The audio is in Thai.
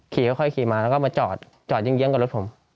ขี่ค่อยขี่มาแล้วก็มาจอดยิ้งกับรถผม